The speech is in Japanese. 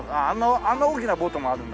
あんな大きなボートもあるんだ。